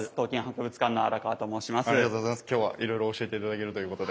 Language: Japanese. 今日はいろいろ教えて頂けるということで。